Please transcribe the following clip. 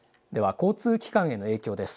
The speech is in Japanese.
交通機関への影響です。